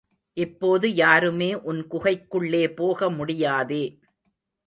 இப்போது யாருமே உன் குகைக்குள்ளே போக முடியாதே.